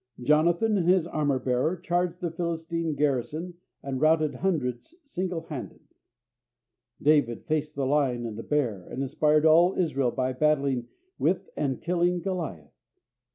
Jonathan and his armour bearer charged the Philistine garrison and routed hundreds singlehanded. David faced the lion and the bear, and inspired all Israel by battling with and killing Goliath.